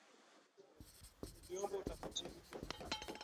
Niliomba utakatifu,